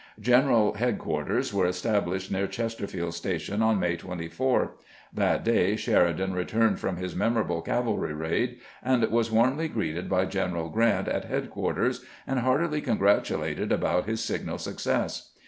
Greneral headquarters were established near Chester field Station on May 24. That day Sheridan returned from his memorable cavalry raid, and was warmly greeted by General Grant at headquarters, and heartily congratulated upon his signal success.